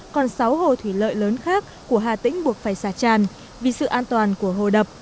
còn sáu hồ thủy lợi lớn khác của hà tĩnh buộc phải xả tràn vì sự an toàn của hồ đập